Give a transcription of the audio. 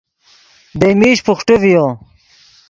دئے میش بوخٹے ڤیو